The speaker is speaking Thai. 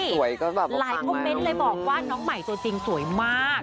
สวยก็แบบออกฟังมาแล้วอืมค่ะหลายโปรเมนต์เลยบอกว่าน้องใหม่ตัวจริงสวยมาก